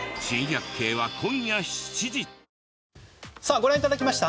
ご覧いただきました